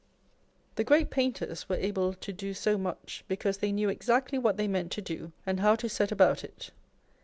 The great painters were able to do so much, because they knew exactly what they meant to do, and how to set about it.